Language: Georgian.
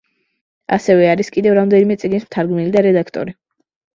ასევე არის კიდევ რამდენიმე წიგნის მთარგმნელი და რედაქტორი.